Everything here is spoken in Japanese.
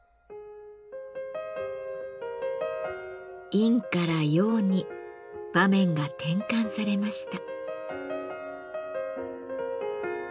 「陰」から「陽」に場面が転換されました。